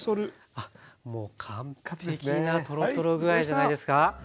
あっもう完璧なトロトロ具合じゃないですか。